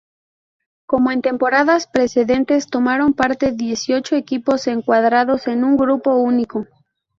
Como en temporadas precedentes, tomaron parte dieciocho equipos, encuadrados en un grupo único.